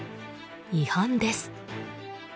違反です。